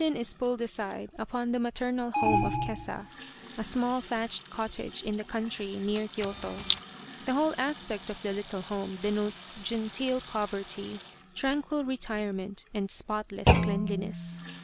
ACT II. The curtain is pulled aside upon the maternal home of Kesa, a small thatched cottage in the country near Kyoto. The whole aspect of the little home denotes genteel poverty, tranquil retire ment, and spotless cleanliness.